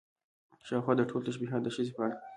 شاوخوا دا ټول تشبيهات د ښځې په اړه